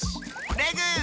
レグ！